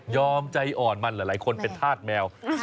ใจอ่อนมันหลายคนเป็นธาตุแมว